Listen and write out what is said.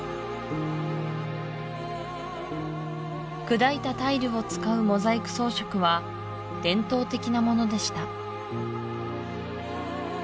砕いたタイルを使うモザイク装飾は伝統的なものでした